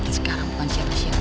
sekarang pun siapa siapa